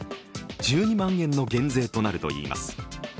１２万円の減税となるといいます。